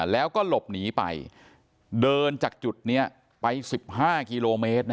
แล้วก็หลบหนีไปเดินจากจุดเนี้ยไปสิบห้ากิโลเมตรนะฮะ